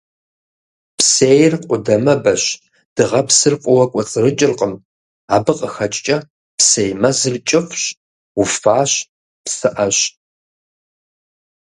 Псейр къудамэбэщ, дыгъэпсыр фӀыуэ кӀуэцӀрыкӀыркъым, абы къыхэкӀкӀэ псей мэзыр кӀыфӀщ, уфащ, псыӀэщ.